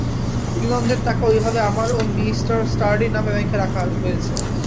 ইংলণ্ডের টাকাও ঐভাবে আমার ও মি স্টার্ডির নামে ব্যাঙ্কে রাখা হয়েছে।